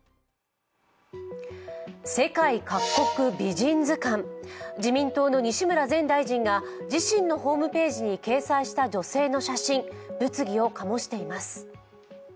世界各国美人図鑑、自民党の西村前大臣が自身のホームページに掲載した女性の写真、物議を醸しています。